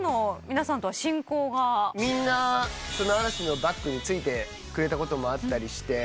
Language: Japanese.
みんな嵐のバックについてくれたこともあったり。